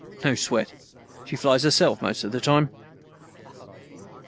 "No sweat. She flies herself most of the time."